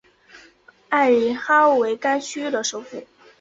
埃里哈为该区的首府。